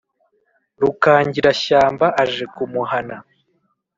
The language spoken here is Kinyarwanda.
Rukangirashyamba aje kumuhana